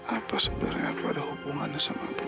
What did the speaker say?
apa sebenarnya aku ada hubungannya sama perempuan itu